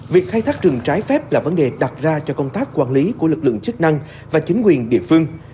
việc khai thác rừng trái phép là vấn đề đặt ra cho công tác quản lý của lực lượng chức năng và chính quyền địa phương